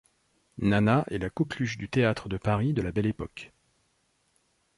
Nana est la coqueluche du théâtre de Paris de la Belle Époque.